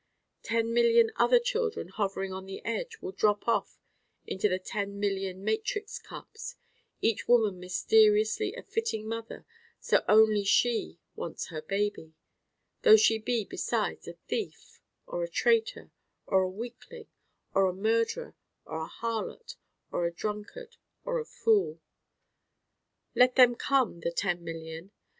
Ten million other children hovering on the edge will drop off into the ten million matrix cups each woman mysteriously a fitting mother so only she wants her baby though she be, besides, a thief or a traitor or a weakling or a murderer or a harlot or a drunkard or a fool. Let them come, the ten million.